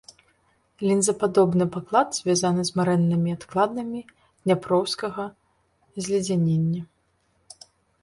Лінзападобны паклад звязаны з марэннымі адкладамі дняпроўскага зледзянення.